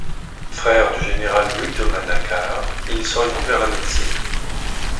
Frère du général Louis-Thomas Nacquart, il s'oriente vers la médecine.